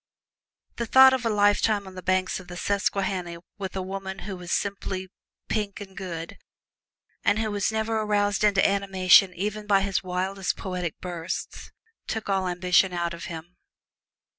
The thought of a lifetime on the banks of the Susquehanna with a woman who was simply pink and good, and who was never roused into animation even by his wildest poetic bursts, took all ambition out of him.